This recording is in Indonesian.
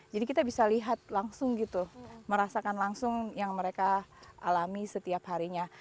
jadi kita bisa lihat langsung gitu merasakan langsung yang mereka alami setiap harinya